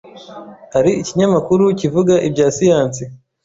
Hari ikinyamakuru kivuga ibya siyansi